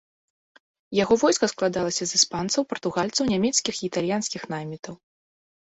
Яго войска складалася з іспанцаў, партугальцаў, нямецкіх і італьянскіх наймітаў.